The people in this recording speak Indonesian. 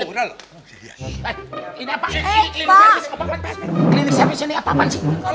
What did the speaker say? klinik saya disini apaan sih